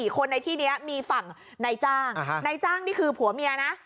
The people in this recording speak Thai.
๔คนในที่นี้มีฝั่งนายจ้างนายจ้างนี่คือผัวเมียนะ